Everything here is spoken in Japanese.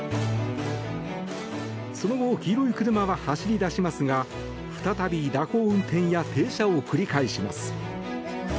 その後、黄色い車は走り出しますが再び蛇行運転や停車を繰り返します。